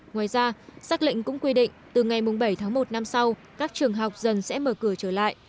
ngoài ra xác lệnh cũng quy định từ ngày bảy tháng một năm sau các trường học dần sẽ mở cửa trở lại